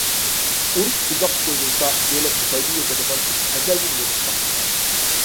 ئۇرۇش ئۇزاققا سوزۇلسا، دۆلەتكە پايدا يېتىدىغان ئىش ئەزەلدىن بولۇپ باقمىغان.